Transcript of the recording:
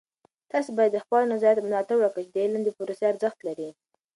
تاسې باید د خپلو نظریاتو ملاتړ وکړئ چې د علم د پروسې ارزښت لري.